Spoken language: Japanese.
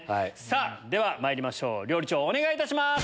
ではまいりましょう料理長お願いいたします。